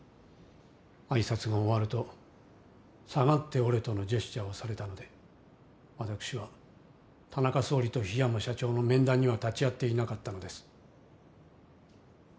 挨拶が終わると「下がっておれ」とのジェスチャーをされたので私は田中総理と檜山社長の面談には立ち会っていなかったのです。